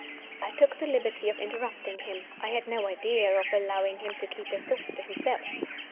I took the liberty of interrupting him. I had no idea of allowing him to keep his thoughts to himself.